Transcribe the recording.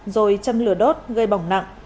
rồi châm lửa đốt gây bỏng nặng